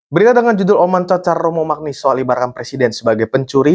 berita dengan judul oman cacar romo magni soal ibaratkan presiden sebagai pencuri